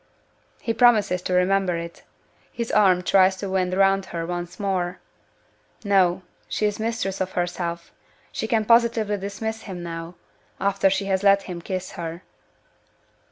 He promises to remember it. His arm tries to wind round her once more. No! She is mistress of herself; she can positively dismiss him now after she has let him kiss her!